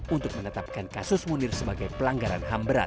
untuk menetapkan kasus munir sebagai pelanggaran